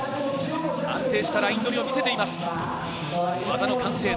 安定したライン取りを見せています。